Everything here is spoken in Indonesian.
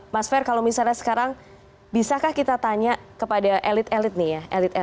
mas fer kalau misalnya sekarang bisakah kita tanya kepada elit elit nih ya